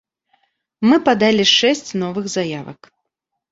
Мы падалі шэсць новых заявак.